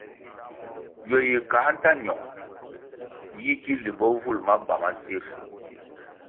Ywe yi kā nta ñong yi ki limbo vul maba ma tsir?